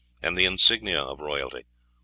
and the insignia of royalty ...